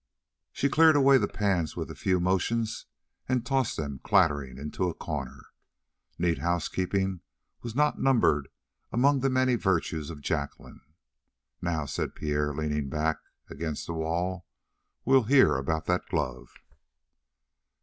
She cleared away the pans with a few motions and tossed them clattering into a corner. Neat housekeeping was not numbered among the many virtues of Jacqueline. "Now," said Pierre, leaning back against the wall, "we'll hear about that glove."